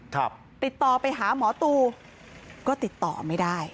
ติดต่อไปหาหมอตูก็ติดต่อไม่ได้